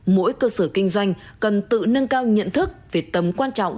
mỗi cơ sở kinh doanh cần tự nâng cao nhận thức về tấm quan trọng